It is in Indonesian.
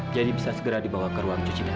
jadi bisa dibawa segera ke ruang cuci darah